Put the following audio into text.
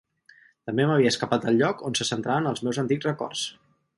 També m'havia escapat del lloc on se centraven els meus antics records.